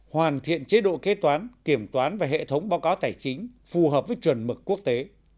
hoàn thiện chế độ kế toán kiểm toán và hệ thống báo cáo tài chính phù hợp với chuẩn mực quốc tế